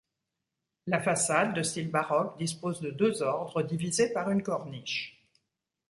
La façade, de style baroque, dispose de deux ordres, divisés par une corniche.